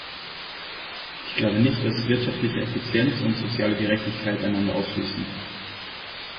Ich glaube nicht, dass wirtschaftliche Effizienz und soziale Gerechtigkeit einander ausschließen.